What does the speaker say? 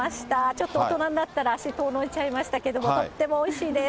ちょっと大人になったら足遠のいちゃいましたけど、とってもおいしいです。